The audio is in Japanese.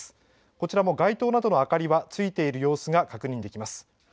こちらも街灯などの明かりはついている様子が確認できます。